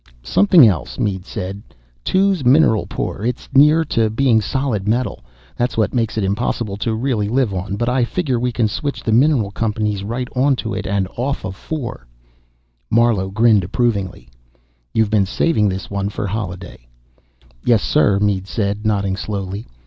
"Something else," Mead said. "II's mineral poor. It's near to being solid metal. That's what makes it impossible to really live on, but I figure we can switch the mineral companies right onto it and off IV." Marlowe grinned approvingly. "You been saving this one for Holliday?" "Yes, sir," Mead said, nodding slowly.